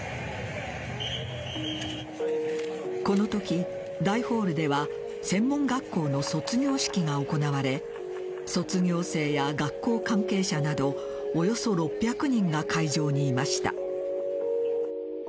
この時、大ホールでは専門学校の卒業式が行われ卒業生や学校関係者などおよそ６００人が会場にいました。